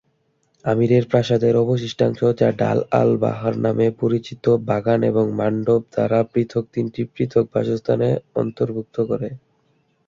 আমিরের প্রাসাদের অবশিষ্টাংশ, যা ডাল আল-বাহর নামে পরিচিত, বাগান এবং মণ্ডপ দ্বারা পৃথক তিনটি পৃথক বাসস্থান অন্তর্ভুক্ত করে।